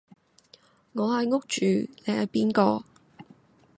我係屋主你係邊個？